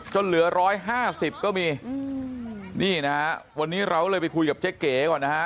เหลือร้อยห้าสิบก็มีนี่นะฮะวันนี้เราเลยไปคุยกับเจ๊เก๋ก่อนนะฮะ